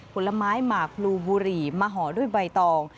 ผลไม้หมากพลูบุหรี่มาห่อด้วยใบตอง